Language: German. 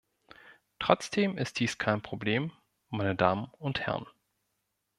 Trotzdem ist dies kein Problem, meine Damen und Herren.